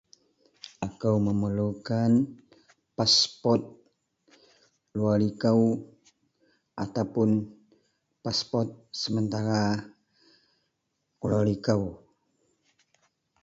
Akou memerlukan paspot luwer likou ataupuun paspot sementara luwer likou